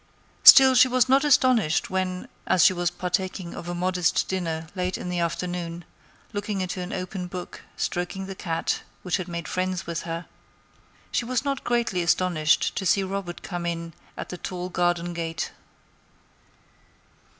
Still she was not astonished when, as she was partaking of a modest dinner late in the afternoon, looking into an open book, stroking the cat, which had made friends with her—she was not greatly astonished to see Robert come in at the tall garden gate.